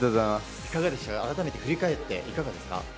改めて振り返っていかがでしたか？